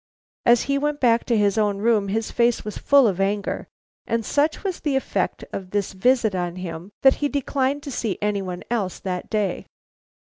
As he went back to his own room his face was full of anger, and such was the effect of this visit on him that he declined to see any one else that day.